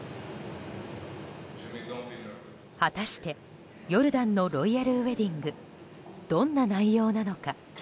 果たしてヨルダンのロイヤルウェディングどんな内容なのか。